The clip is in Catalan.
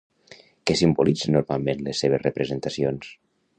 Què simbolitzen normalment les seves representacions?